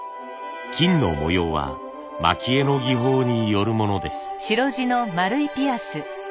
金の模様は蒔絵の技法によるものです。